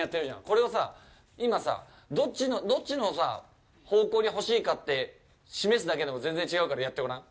これをさ、今さ、どっちの方向に欲しいかって示すだけでも全然違うからやってごらん。